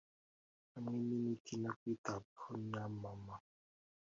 hamwe n'imiti no kwitabwaho na mama,